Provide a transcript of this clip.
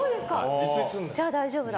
じゃあ大丈夫だ。